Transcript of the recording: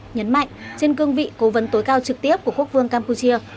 nhấn mạnh trên cương vị cố vấn tối cao trực tiếp của quốc vương campuchia